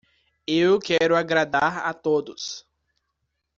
Eu quero agradar a todos.